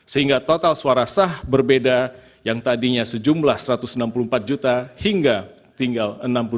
sehingga total suara sah berbeda yang tadinya sejumlah satu ratus enam puluh empat juta hingga tinggal enam puluh delapan dua belas tujuh ratus delapan puluh empat